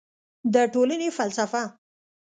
د ټولنې فلسفه